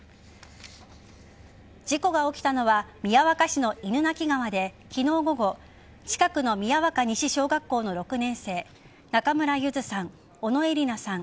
事故が起きたのは宮若市の犬鳴川で昨日午後近くの宮若西小学校の６年生中村優杏さん、小野愛莉南さん